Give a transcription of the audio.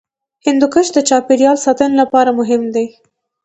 هندوکش د چاپیریال ساتنې لپاره مهم دی.